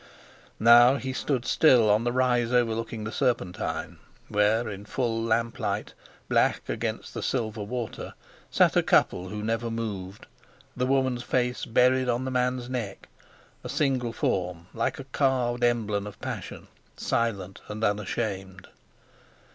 Now he stood still on the rise overlooking the Serpentine, where, in full lamp light, black against the silver water, sat a couple who never moved, the woman's face buried on the man's neck—a single form, like a carved emblem of passion, silent and unashamed.